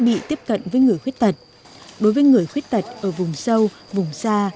bị tiếp cận với người khuyết tật đối với người khuyết tật ở vùng sâu vùng xa